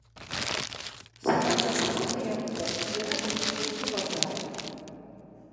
Схаҵа схаҵа иакәзар, иара дахьыҟоу сыҟазааит.